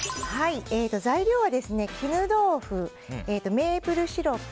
材料は絹豆腐、メープルシロップ